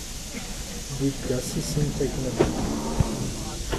Did Gussie seem taken aback?